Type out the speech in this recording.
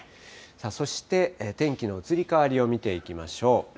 そして天気の移り変わりを見ていきましょう。